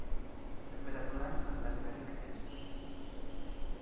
Tenperaturan, aldaketarik ez.